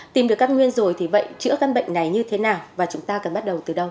tìm được các nguyên rồi thì vậy chữa căn bệnh này như thế nào và chúng ta cần bắt đầu từ đâu